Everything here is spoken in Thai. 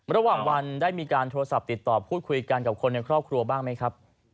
ระหว่างวันได้มีการโทรศัพท์ติดต่อพูดคุยกันกับคนในครอบครัวบ้างไหมครับ